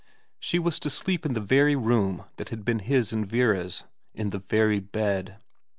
She was to sleep in the very room that had M 162 VERA xv been his and Vera's, in the very bed.